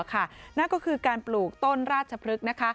นั่นก็คือการปลูกต้นราชพฤกษ์